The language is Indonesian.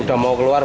sudah mau keluar